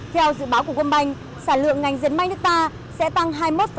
theo dự báo của quân banh sản lượng ngành dân banh nước ta sẽ tăng hai mươi một